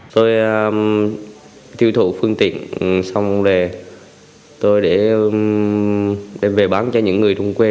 tôi tiêu thụ phương tiện xong rồi tôi để đem về bán cho những người thông quê